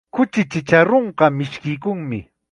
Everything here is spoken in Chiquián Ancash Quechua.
Kuchi chacharunqa mishkiykunmi.